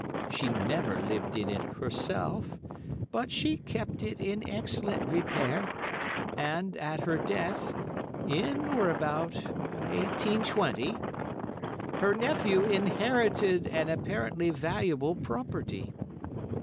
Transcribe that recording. She never lived in it herself, but she kept it in excellent repair, and at her death, in or about 1820, her nephew inherited an apparently valuable property.